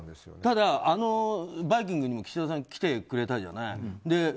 ただ、「バイキング」にも岸田さん来てくれたじゃない。